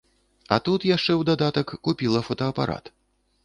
А тут, яшчэ ў дадатак, купіла фотаапарат!